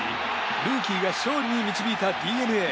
ルーキーが勝利に導いたＤｅＮＡ。